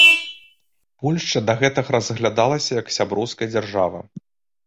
Польшча да гэтага разглядалася як сяброўская дзяржава.